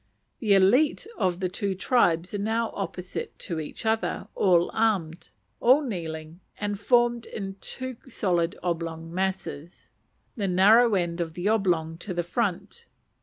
The élite of the two tribes are now opposite to each other, all armed, all kneeling, and formed in two solid oblong masses, the narrow end of the oblong to the front.